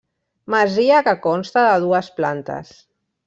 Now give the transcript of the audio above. Masia que consta de dues plantes.